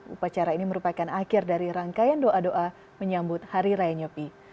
upacara ini merupakan akhir dari rangkaian doa doa menyambut hari raya nyopi